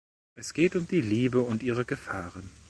Es geht um die Liebe und ihre Gefahren.